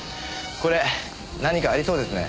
これ何かありそうですね。